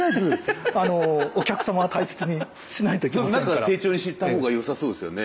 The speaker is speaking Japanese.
何か丁重にしたほうがよさそうですよね。